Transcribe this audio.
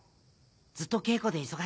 ずっと稽古で忙しいからな。